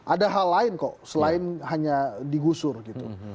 ada hal lain kok selain hanya digusur gitu